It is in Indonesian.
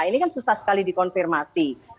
ini kan susah sekali dikonfirmasi